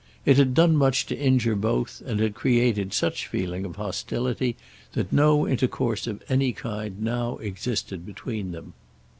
It had done much to injure both, and had created such a feeling of hostility that no intercourse of any kind now existed between them.